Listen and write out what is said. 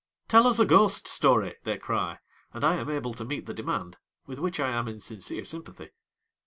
'Tell us a ghost story!' they cry, and I am able to meet the demand, with which I am in sincere sympathy.